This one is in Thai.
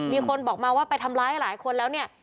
มีคนบอกมาว่าไปทำร้ายหลายคนแล้วเนี่ย